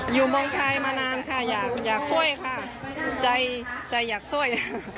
อยู่เมืองไทยมานานค่ะอยากช่วยค่ะใจใจอยากช่วย